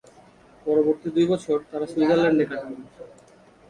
পরবর্তী দুই বছর তারা সুইজারল্যান্ডে কাটান।